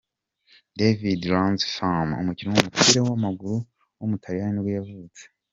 Davide Lanzafame, umukinnyi w’umupira w’amaguru w’umutaliyani nibwo yavutse.